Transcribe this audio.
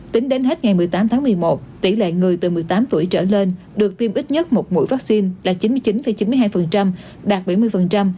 tính đến hết ngày một mươi tám tháng một mươi một tỷ lệ người từ một mươi tám tuổi trở lên được tiêm ít nhất một mũi vaccine là chín mươi chín chín mươi hai đạt bảy mươi